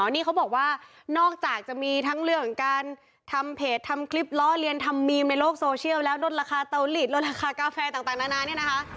นี่เขาบอกว่านอกจากจะมีทั้งเรื่องการทำเพจทำคลิปล้อเลียนทำมีมในโลกโซเชียลแล้วลดราคาเตาลีดลดราคากาแฟต่างนานาเนี่ยนะคะ